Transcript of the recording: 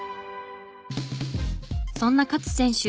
そんな勝選手